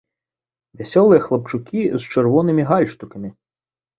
Вясёлыя хлапчукі з чырвонымі гальштукамі.